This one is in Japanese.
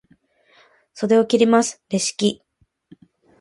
袖を切ります、レシキ。